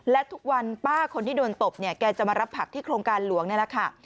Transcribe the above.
และทุกวันป้าคนที่โดนตบเนี่ยแกจะมารับผักที่โครงการหลวงนี่แหละค่ะ